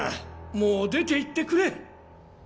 もう出て行ってくれ。